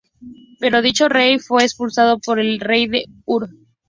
Pero dicho rey fue expulsado por el rey de Ur.